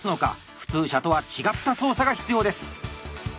普通車とは違った操作が必要です。